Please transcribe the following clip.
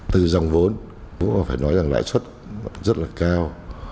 từ dòng vốn cũng phải nói rằng lãi xuất rất là cao